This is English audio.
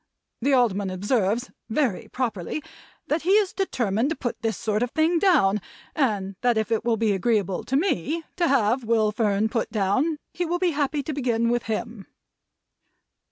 The Alderman observes (very properly) that he is determined to put this sort of thing down, and that if it will be agreeable to me to have Will Fern put down, he will be happy to begin with him."